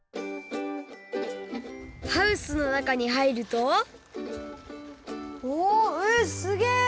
ハウスのなかにはいるとおえっ！